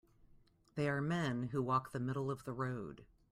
They are men who walk the middle of the road.